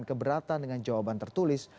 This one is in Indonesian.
keberatan dengan jawaban tertulis